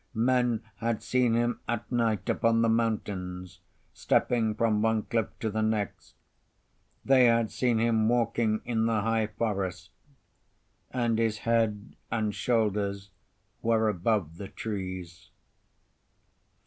Men had seen him at night upon the mountains, stepping from one cliff to the next; they had seen him walking in the high forest, and his head and shoulders were above the trees.